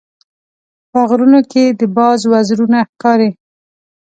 په غرونو کې د باز وزرونه ښکاري.